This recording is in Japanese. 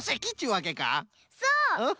そう！